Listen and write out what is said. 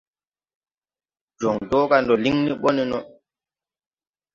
Jɔŋ dɔga ndɔ liŋ ni ɓɔ nono.